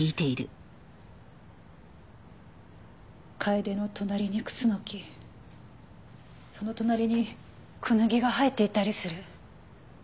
カエデの隣にクスノキその隣にクヌギが生えていたりする。